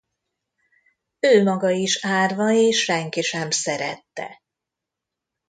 Ő maga is árva és senki sem szerette.